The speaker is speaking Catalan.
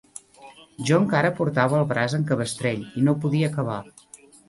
Jo encara portava el braç en cabestrell i no podia cavar